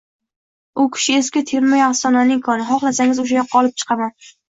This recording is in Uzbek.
U kishi eski termayu afsonaning koni. Xohlasangiz — oʼsha yoqqa olib chiqaman?..